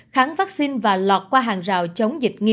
kháng vaccine và lọt qua hàng rào